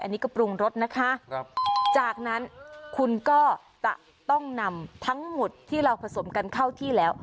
อันนี้ก็ปรุงรสนะคะจากนั้นคุณก็จะต้องนำทั้งหมดที่เราผสมกันเข้าที่แล้ว